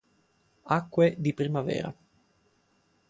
Acque di primavera